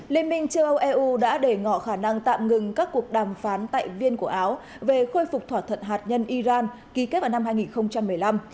liên minh châu âu eu đã để ngỏ khả năng tạm ngừng các cuộc đàm phán tại viên của áo về khôi phục thỏa thuận hạt nhân iran ký kết vào năm hai nghìn một mươi năm